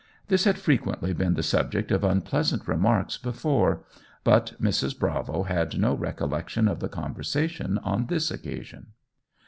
This had frequently been the subject of unpleasant remarks before; but Mrs. Bravo had no recollection of the conversation on this occasion.